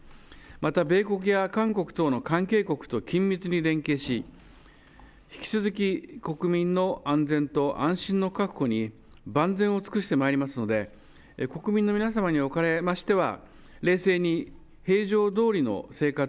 また米国や韓国等の関係国と緊密に連携し引き続き国民の安全と安心の確保に万全を尽くしてまいりますので国民の皆さまにおかれましては